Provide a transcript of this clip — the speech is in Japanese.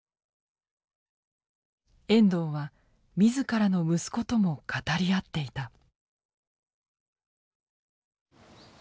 遠藤は自らの息子とも語り合っていた。